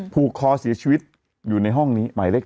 ผูกคอเสียชีวิตอยู่ในห้องนี้หมายเลข